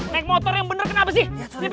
naik motor yang bener kenapa sih